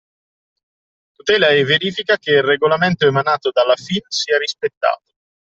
Tutela e verifica che il regolamento emanato dalla FIN sia rispettato.